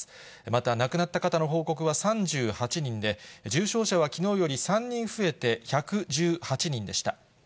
また、亡くなった方の報告は３８人で、重症者はきのうより３人増えて１１８人でした。